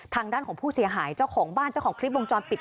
ทางด้านของผู้เสียหายเจ้าของบ้านเจ้าของคลิปวงจรปิด